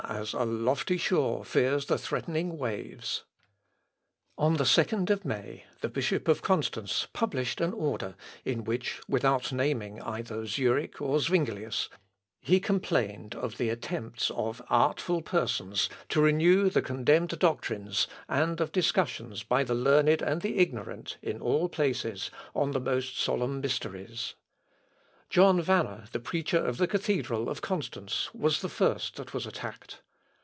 as a lofty shore fears the threatening waves... συν τῶ Θεῳ with God," added he. On the 2nd May, the Bishop of Constance published an order in which, without naming either Zurich or Zuinglius, he complained of the attempts of artful persons to renew the condemned doctrines, and of discussions by the learned and the ignorant, in all places on the most solemn mysteries. John Wanner, the preacher of the cathedral of Constance, was the first that was attacked.